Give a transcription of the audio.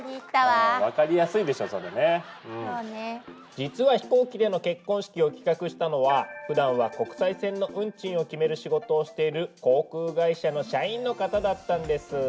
実は飛行機での結婚式を企画したのはふだんは国際線の運賃を決める仕事をしている航空会社の社員の方だったんです。